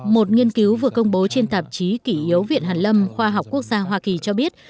một nghiên cứu vừa công bố trên tạp chí kỷ yếu viện hàn lâm khoa học quốc gia hoa kỳ cho biết